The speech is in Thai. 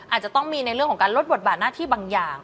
อาจจะต้องมีในเรื่องของการลดบทบาทหน้าที่บางอย่าง